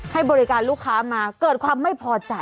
ให้บริการลูกค้ามาเกิดความไม่พอใจ